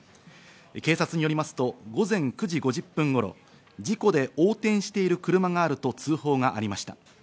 警察によりますと午前９時５０分頃、事故で横転している車があると通報がありました。